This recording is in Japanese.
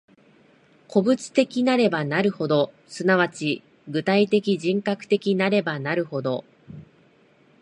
個物的なればなるほど、即ち具体的人格的なればなるほど、